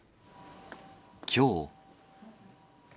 きょう。